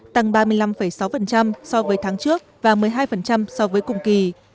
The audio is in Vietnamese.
tăng ba mươi năm sáu so với tháng trước và một mươi hai so với cùng kỳ